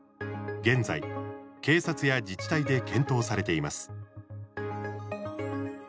現在、警察や自治体で検討されています。